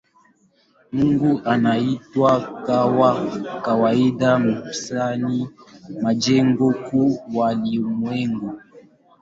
Mungu anaitwa kwa kawaida Msanii majengo mkuu wa ulimwengu.